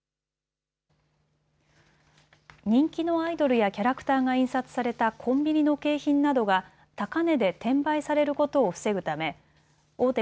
人気のアイドルやキャラクターが印刷されたコンビニの景品などが高値で転売されることを防ぐため大手